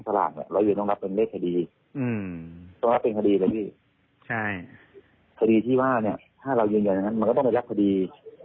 ต้องรับเป็นคดีเลยพี่